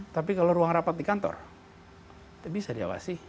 tapi kalau ruang rapat di kantor bisa diawasi